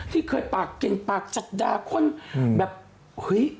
ที่เคยปากเก่งปากจัดด่าคนแบบเฮ้ย